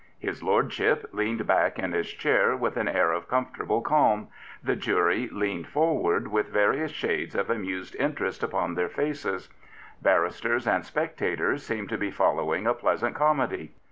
His lordship leaned back in his chair with an air of comfortable calm; the jury leaned forward with various shades of amused interest upon their faces; barristers and spectators seemed to be following a pleasant comedy.